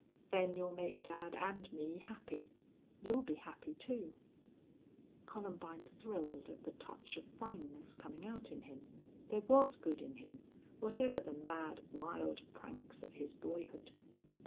"Then you'll make dad and me happy. You'll be happy, too." Columbine thrilled at the touch of fineness coming out in him. There was good in him, whatever the mad, wild pranks of his boyhood.